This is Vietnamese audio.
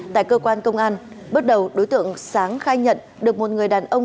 tại cơ quan công an bước đầu đối tượng sáng khai nhận được một người đàn ông